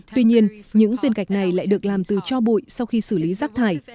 tuy nhiên những viên gạch này lại được làm từ cho bụi sau khi xử lý rác thải